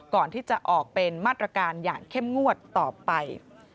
ก่อนที่จะออกเป็นมาตรการอย่างเข้มงวดต่อไป